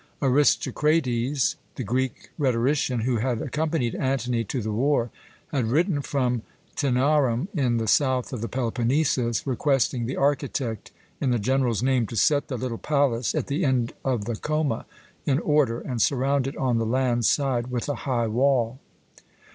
Aristocrates, the Greek rhetorician, who had accompanied Antony to the war, had written from Tænarum, in the south of the Peloponnesus, requesting the architect, in the general's name, to set the little palace at the end of the Choma in order, and surround it on the land side with a high wall.